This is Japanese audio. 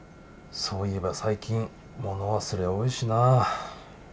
そういえば最近物忘れ多いしな。